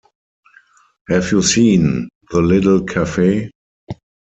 Have you seen "The Little Cafe"?..